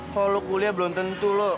kalau kuliah belum tentu lo